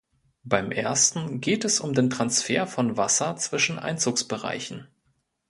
Beim ersten geht es um den Transfer von Wasser zwischen Einzugsbereichen.